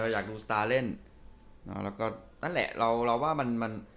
อยากดูสตาร์เล่น